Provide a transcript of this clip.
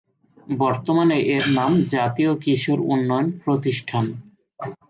বর্তমানে এর নাম জাতীয় কিশোর উন্নয়ন প্রতিষ্ঠান।